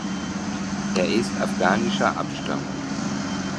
Er ist afghanischer Abstammung.